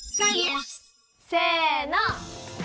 せの！